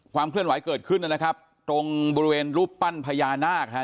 เคลื่อนไหวเกิดขึ้นนะครับตรงบริเวณรูปปั้นพญานาคฮะ